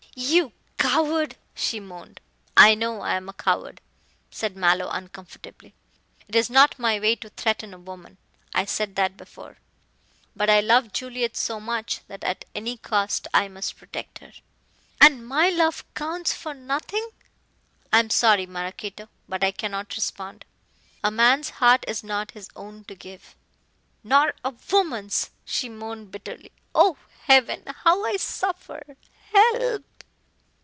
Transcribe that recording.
"You coward!" she moaned. "I know I am a coward," said Mallow uncomfortably; "it is not my way to threaten a woman I said that before. But I love Juliet so much that at any cost I must protect her." "And my love counts for nothing." "I am sorry, Maraquito, but I cannot respond. A man's heart is not his own to give." "Nor a woman's," she moaned bitterly; "oh, heaven, how I suffer. Help!"